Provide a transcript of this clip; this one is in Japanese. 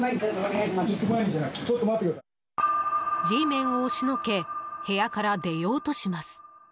Ｇメンを押しのけ部屋から出ようとします。